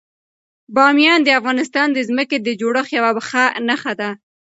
بامیان د افغانستان د ځمکې د جوړښت یوه ښه نښه ده.